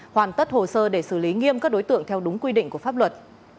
hoàn tất hồ sơ để xử lý nghiêm các đối tượng theo đúng quy định của pháp luật